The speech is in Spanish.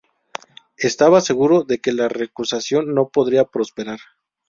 Estaba seguro de que la recusación no podría prosperar.